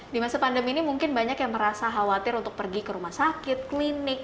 di masa pandemi ini mungkin banyak yang merasa khawatir untuk pergi ke rumah sakit klinik